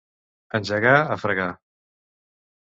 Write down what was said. Engegar a fregar.